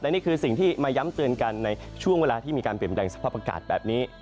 นี่คือสิ่งที่มาย้ำเตือนกันในช่วงเวลาที่มีการเปลี่ยนแปลงสภาพอากาศแบบนี้